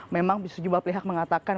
memang bisa juga pelihak mengatakan